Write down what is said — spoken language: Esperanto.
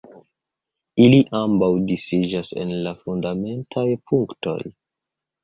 Ili ambaŭ disiĝas en la fundamentaj punktoj.